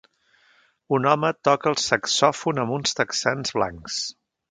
Un home toca el saxòfon amb uns texans blancs